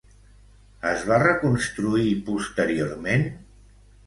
Es va reconstruir posteriorment?